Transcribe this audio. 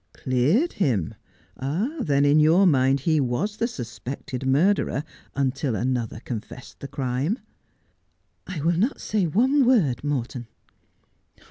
'' Cleared him. Then in your mind he was the suspected murderer until another confessed the crime.' ' I will not say one word, Morton.'